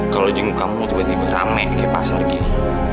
kalo jenguk kamu tiba tiba rame kayak pasar gini